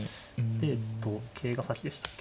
で桂が先でしたっけ。